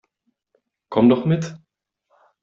Komm doch mit!